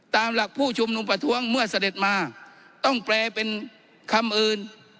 ตามหลักผู้ชุมนุมประท้วงเมื่อเสด็จมาต้องแปลเป็นคำอื่น